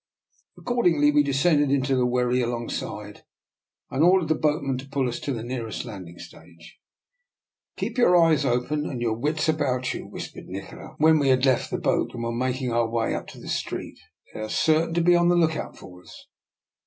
Accordingly we descended into the wherry alongside, and ordered the boatman to pull us to the nearest landing stage. " Keep your eyes open and your wits DR. NIKOLA'S EXPERIMENT. 137 about you," whispered Nikola, when we had left the boat and were making our way up to the street. " They are certain to be on the lookout for us."